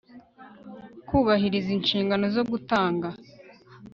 Kubahiriza inshingano zo gutanga